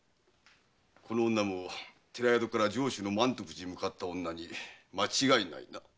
この女も寺宿から上州の満徳寺へ向かった女に間違いないな？